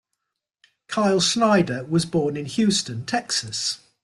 Kyle Snyder was born in Houston, Texas.